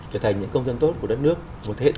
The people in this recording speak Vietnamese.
trở thành những công dân tốt của đất nước một thế hệ trẻ